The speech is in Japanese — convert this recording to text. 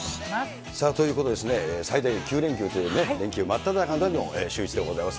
ということでですね、最大９連休というね、連休真っただ中のシューイチでございます。